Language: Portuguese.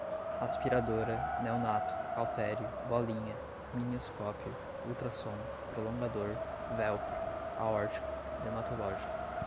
aspiradora, neonato, cautério, bolinha, amnioscópio, ultrassom, prolongador, velcro, aórtico, dermatológico